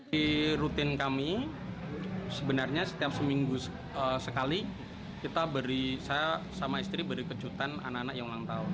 di rutin kami sebenarnya setiap seminggu sekali kita beri saya sama istri beri kejutan anak anak yang ulang tahun